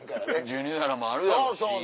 授乳やらもあるやろし。